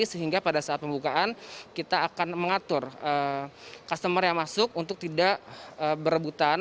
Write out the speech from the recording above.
sehingga pada saat pembukaan kita akan mengatur customer yang masuk untuk tidak berebutan